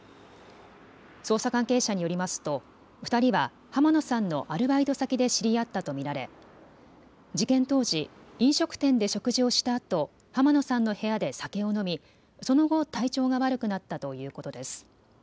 捜査関係者によりますと２人は濱野さんのアルバイト先で知り合ったと見られ事件当時、飲食店で食事をしたあと濱野さんの部屋で酒を飲みその後、体調が悪くなったということです。